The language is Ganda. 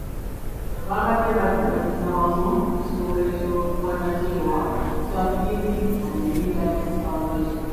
Babadde baddukanyiza wamu ekitongole ky'obwannakyewa ekya Bill and Melinda Gates Foundation.